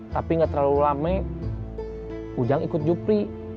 tapi gak terlalu lama ujang ikut jupri